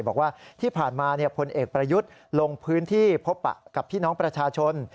บอกว่าที่ผ่านมาพลเอกประยุทธ์ลงพื้นที่พบปะกับพี่น้องประชาชน